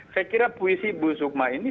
saya kira puisi bu sukma ini